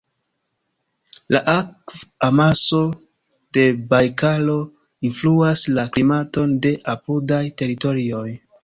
La akv-amaso de Bajkalo influas la klimaton de apudaj teritorioj.